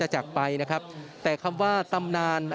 และก็มีการกินยาละลายริ่มเลือดแล้วก็ยาละลายขายมันมาเลยตลอดครับ